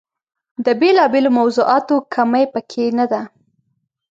د بېلا بېلو موضوعاتو کمۍ په کې نه ده.